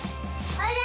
おいで！